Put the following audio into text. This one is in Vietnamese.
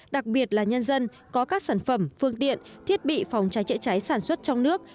đặc biệt là nhân dân có các sản phẩm phương tiện thiết bị phòng cháy chữa cháy sản xuất trong nước